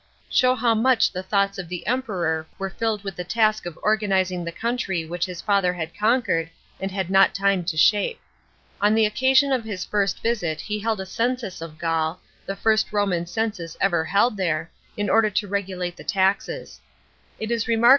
show how much the thoughts of the Emperor were filled with the task of organizing the country which his father had conquered and had not time to shape. On the occasion of his first visit he held a census of Gaul, the first Roman census ever held there, in order to regulate the taxes. It is remark 27 B.O.